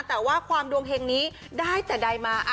แต่ว่าความดวงเฮงนี้ได้แต่ใดมา